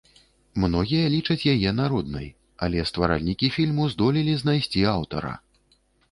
Многія лічаць яе народнай, але стваральнікі фільму здолелі знайсці аўтара.